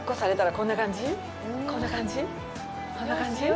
こんな感じ？